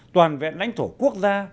toàn vẹn đánh thổ quốc gia